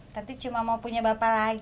tapi cuma mau punya bapak lagi